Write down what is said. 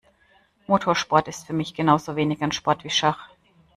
Motorsport ist für mich genauso wenig ein Sport wie Schach.